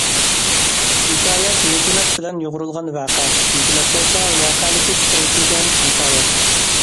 ھېكايەت ھېكمەت بىلەن يۇغۇرۇلغان ۋەقە، ھېكمەت بولسا ۋەقەلىكى چىقىرىۋېتىلگەن ھېكايەت.